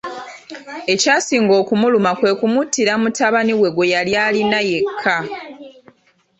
Ekyasinga okumuluma kwe kumuttira mutabani we gwe yali alina yekka.